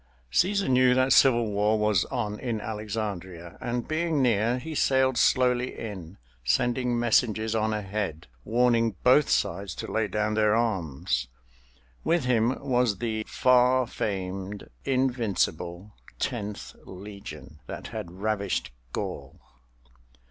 Cæsar knew that civil war was on in Alexandria, and being near he sailed slowly in, sending messengers on ahead warning both sides to lay down their arms. With him was the far famed invincible Tenth Legion that had ravished Gaul.